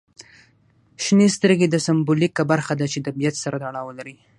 شنې سترګې د سمبولیکه برخه ده چې د طبیعت سره تړاو لري.